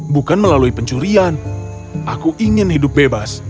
bukan melalui pencurian aku ingin hidup bebas